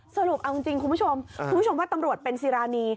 สรุปเอาจริงคุณผู้ชมคุณผู้ชมว่าตำรวจเป็นซีรานี